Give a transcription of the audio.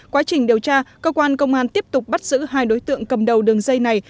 quá trình điều tra cơ quan công an tiếp tục bắt giữ hai đối tượng cầm đầu đường dây này